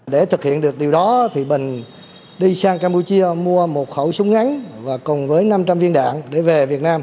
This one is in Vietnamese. để thực hiện được điều đó bình đi sang campuchia mua một khẩu súng ngắn và cùng với năm trăm linh viên đạn để về việt nam